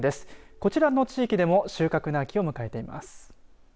こちらの地域でも収穫の秋を迎えています。